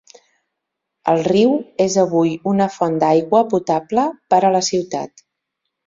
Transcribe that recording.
El riu és avui una font d'aigua potable per a la ciutat.